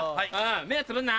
目つぶんな。